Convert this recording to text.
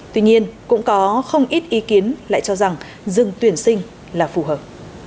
tuy nhiên cũng có không ít ý kiến lại cho rằng dừng tuyển sinh là phù hợp